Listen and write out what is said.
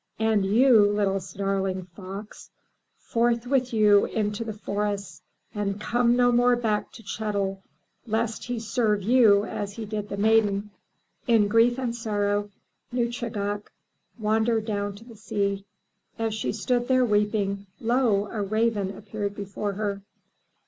And you, little snarling fox, forth with you into the forests, and come no more back to Chet'l, lest he serve you as he did the Maiden." In grief and sorrow, Nuschagak wandered down to the sea. As she stood there, weeping, lo! a raven appeared before her.